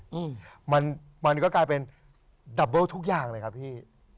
อืมมันมันก็กลายเป็นดับเบิ้ลทุกอย่างเลยครับพี่